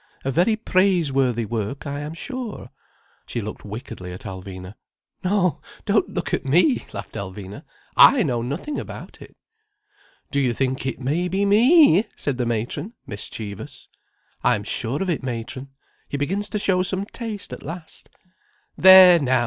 A very praiseworthy work, I am sure." She looked wickedly at Alvina. "No, don't look at me," laughed Alvina, "I know nothing about it." "Do you think it may be me!" said the matron, mischievous. "I'm sure of it, matron! He begins to show some taste at last." "There now!"